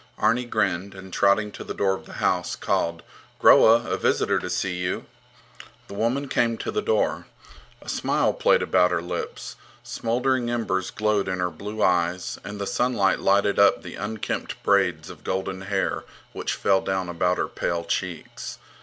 Arni grinned and, trotting to the door of the house, called: Groa, a visitor to see you. The woman came to the door. A smile played about her lips, smouldering embers glowed in her blue eyes, and the sunlight lighted up the unkempt braids of golden hair which fell down about her pale cheeks.